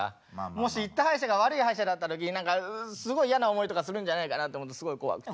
もし行った歯医者が悪い歯医者だった時何かすごい嫌な思いとかするんじゃないかなと思ってすごい怖くて。